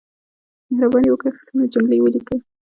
مهرباني وکړئ، سمې جملې وليکئ!